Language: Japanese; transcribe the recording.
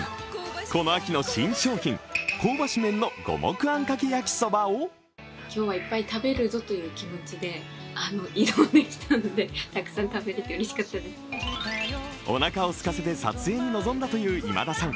この秋の新商品、香ばし麺の五目あんかけ焼そばをおなかをすかせて撮影に臨んだという今田さん。